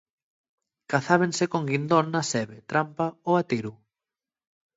Cazábense con guindón na sebe, trampa o a tiru.